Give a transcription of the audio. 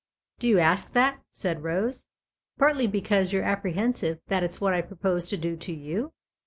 " Do you ask that," said Rose, " partly because you're apprehensive that it's what I propose to do to you